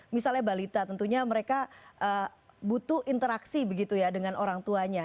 misalnya balita tentunya mereka butuh interaksi begitu ya dengan orang tuanya